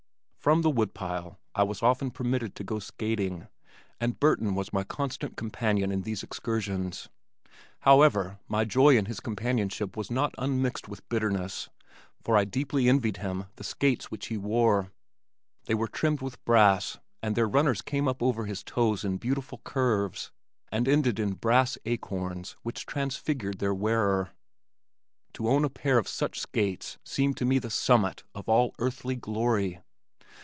From the wood pile I was often permitted to go skating and Burton was my constant companion in these excursions. However, my joy in his companionship was not unmixed with bitterness, for I deeply envied him the skates which he wore. They were trimmed with brass and their runners came up over his toes in beautiful curves and ended in brass acorns which transfigured their wearer. To own a pair of such skates seemed to me the summit of all earthly glory.